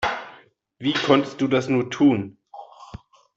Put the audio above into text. Wie konntest du das nur tun?